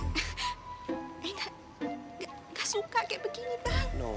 eh gak gak suka kayak begini bang